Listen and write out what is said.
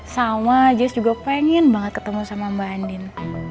sama jais juga pengen banget ketemu sama mbak andin